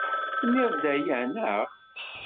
Tenniḍ-d aya, naɣ?